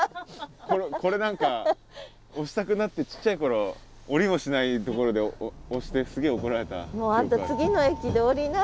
これ何か押したくなってちっちゃい頃降りもしないところで押してすげえ怒られた記憶が。